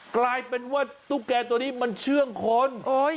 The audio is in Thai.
กลายเป็นว่าตุ๊กแก่ตัวนี้มันเชื่องคน